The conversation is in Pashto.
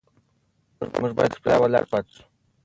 موږ باید تر پایه ولاړ پاتې شو.